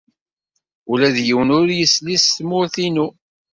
Ula d yiwen ur yesli s tmurt-inu.